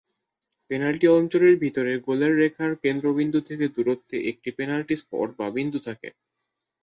Penalty অঞ্চলের ভেতর, গোলের রেখার কেন্দ্রবিন্দু থেকে দূরত্বে, একটি পেনাল্টি স্পট বা বিন্দু থাকে।